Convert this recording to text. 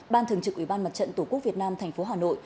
ban thường trực ủy ban mặt trận tổ quốc việt nam thành phố hà nội